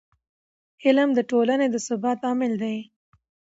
علم د ټولنې د ثبات عامل دی.